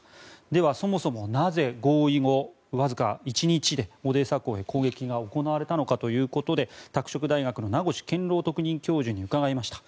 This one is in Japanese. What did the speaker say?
ではそもそもなぜ、合意後わずか１日でオデーサ港へ攻撃が行われたのかということで拓殖大学の名越健郎特任教授に伺いました。